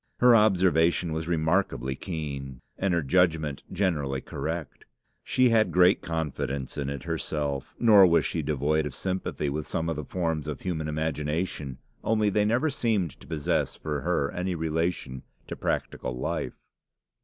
Her observation was remarkably keen, and her judgment generally correct. She had great confidence in it herself; nor was she devoid of sympathy with some of the forms of human imagination, only they never seemed to possess for her any relation to practical life.